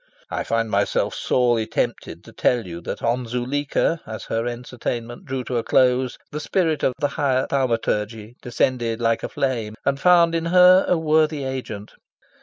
I find myself sorely tempted to tell you that on Zuleika, as her entertainment drew to a close, the spirit of the higher thaumaturgy descended like a flame and found in her a worthy agent.